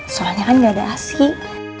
soalnya kan gak ada asing